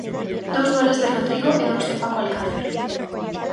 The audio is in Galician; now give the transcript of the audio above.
Dous goles de Rodrigo e dous de Paco Alcácer.